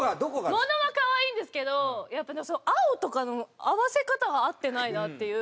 物は可愛いんですけど青とかの合わせ方が合ってないなっていう。